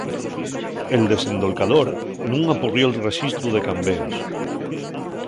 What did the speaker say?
El desendolcador nun apurrió'l rexistru de cambeos.